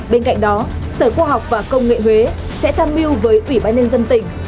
bên cạnh đó sở khoa học và công nghệ huế sẽ tham mưu với ủy ban nhân dân tỉnh